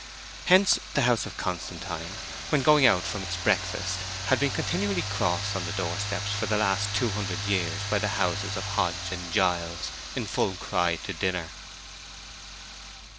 Hence the house of Constantine, when going out from its breakfast, had been continually crossed on the doorstep for the last two hundred years by the houses of Hodge and Giles in full cry to dinner.